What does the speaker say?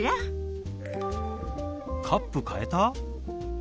カップ変えた？